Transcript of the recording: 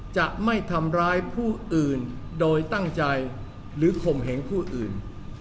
จะไม่ทำร้ายผู้อื่นโดยตั้งใจหรือข่มเหงผู้อื่น